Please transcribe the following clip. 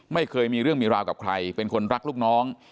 ไม่เคยมีเรื่องมีราวกับใครเป็นคนรักลูกน้อง